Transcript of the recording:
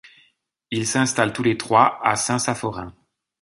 Ils s’installent tous les trois à Saint-Saphorin.